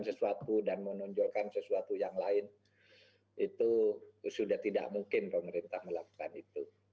sesuatu dan menunjukkan sesuatu yang lain itu sudah tidak mungkin pemerintah melakukan itu